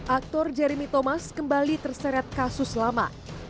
aktor jeremy thomas kembali terseret kasus lama